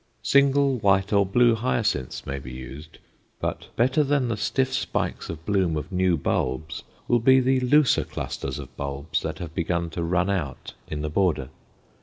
Single white or blue hyacinths may be used, but better than the stiff spikes of bloom of new bulbs will be the looser clusters of bulbs that have begun to "run out" in the border.